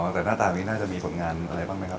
แต่หน้าตานี้น่าจะมีผลงานอะไรบ้างไหมครับ